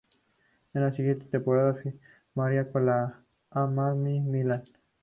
En la siguiente temporada firmaría con el Armani Milán.